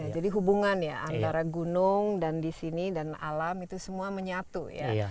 jadi hubungan ya antara gunung dan di sini dan alam itu semua menyatu ya